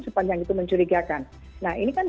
sepanjang itu mencurigakan nah ini kan